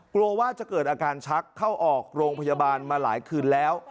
กลัวว่าจะเกิดอาการชักเข้าออกโรงพยาบาลมาหลายคืนแล้ว